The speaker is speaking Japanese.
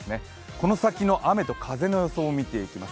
このときの雨と風の予想見ていきます。